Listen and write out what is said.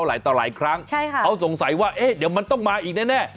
หลายต่อหลายครั้งใช่ค่ะเขาสงสัยว่าเอ๊ะเดี๋ยวมันต้องมาอีกแน่